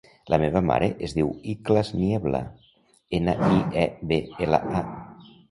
La meva mare es diu Ikhlas Niebla: ena, i, e, be, ela, a.